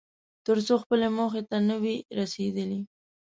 تر څو خپلې موخې ته نه وې رسېدلی.